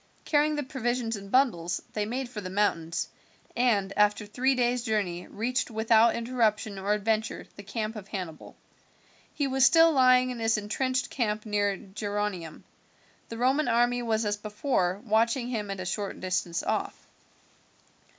Carrying the provisions in bundles they made for the mountains, and after three days' journey reached without interruption or adventure the camp of Hannibal. He was still lying in his intrenched camp near Geronium. The Roman army was as before watching him at a short distance off.